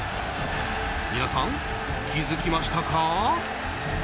皆さん、気づきましたか？